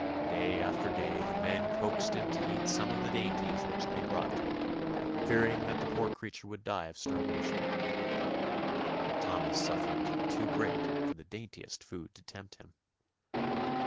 Day after day the men coaxed him to eat some of the dainties which they brought to him, fearing that the poor creature would die of starvation. But Tommy's sufferings were too great for the daintiest food to tempt him.